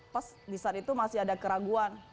pas di saat itu masih ada keraguan